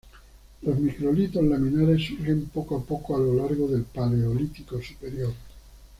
Los microlitos laminares surgen poco a poco a lo largo del Paleolítico Superior.